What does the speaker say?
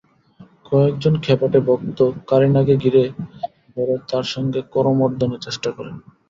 কয়েকজন খ্যাপাটে ভক্ত কারিনাকে ঘিরে ধরে তাঁর সঙ্গে করমর্দনের চেষ্টা করেন।